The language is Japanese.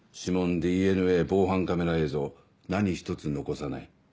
ＤＮＡ防犯カメラ映像何一つ残さない。